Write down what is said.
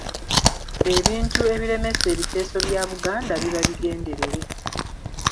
Ebintu ebiremesa ebiteeso bya Buganda biba bigenderere.